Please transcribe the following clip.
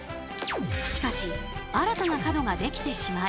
しかし新たな角ができてしまい